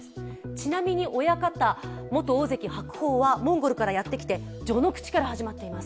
ちなみに、親方、元大関・白鵬はモンゴルからやってきて序ノ口から始まっています。